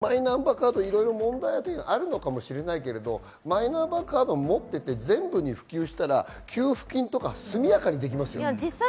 マイナンバーカードいろいろ問題あるのかもしれないけど、カードを持っていて、全部に普及したら給付金とか速やかにできますよ。